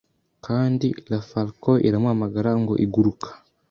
Kandi la Falcon iramuhamagara ngo iguruka